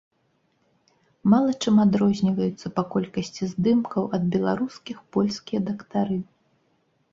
Мала чым адрозніваюцца па колькасці здымкаў ад беларускіх польскія дактары.